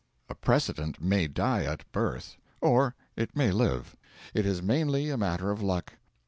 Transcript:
A precedent may die at birth, or it may live it is mainly a matter of luck.